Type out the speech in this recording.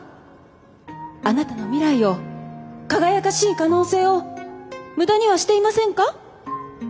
あなたの未来を輝かしい可能性を無駄にはしていませんか？